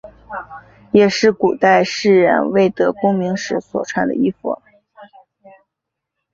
也是古代士人未得功名时所穿衣服。